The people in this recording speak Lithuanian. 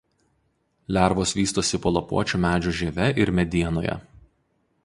Lervos vystosi po lapuočių medžių žieve ir medienoje.